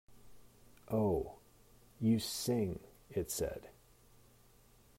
‘Oh, you sing,’ it said.